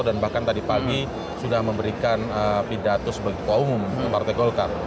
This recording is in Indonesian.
dan bahkan tadi pagi sudah memberikan pidatus bagi ketua umum partai golkar